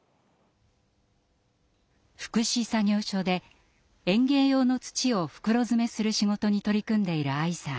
福祉作業所で園芸用の土を袋詰めする仕事に取り組んでいる愛さん。